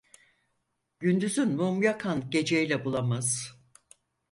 Gündüzün mum yakan geceyle bulamaz.